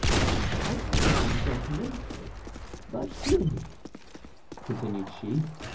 "I thank you, gentlemen. But hear me," continued she.